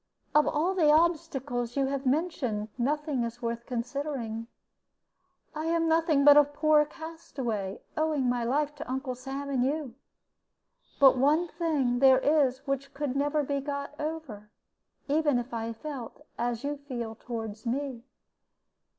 Of all the obstacles you have mentioned, none is worth considering. I am nothing but a poor castaway, owing my life to Uncle Sam and you. But one thing there is which could never be got over, even if I felt as you feel toward me.